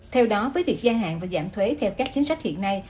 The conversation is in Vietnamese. theo đó với việc gia hạn và giảm thuế theo các chính sách hiện nay